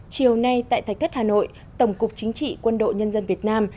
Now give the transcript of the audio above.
chiều nay tại thạch thất hà nội tổng cục chính trị quân đội nhân dân việt nam